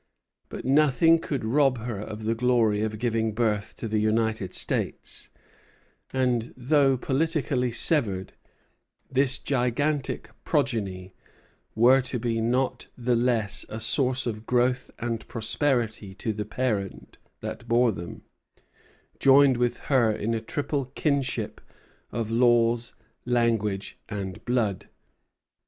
But nothing could rob her of the glory of giving birth to the United States; and, though politically severed, this gigantic progeny were to be not the less a source of growth and prosperity to the parent that bore them, joined with her in a triple kinship of laws, language, and blood.